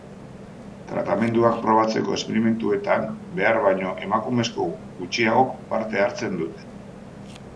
Tratamenduak probatzeko esperimentuetan behar baino emakumezko gutxiagok parte hartzen dute.